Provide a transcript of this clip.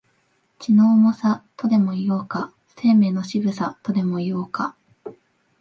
血の重さ、とでも言おうか、生命の渋さ、とでも言おうか、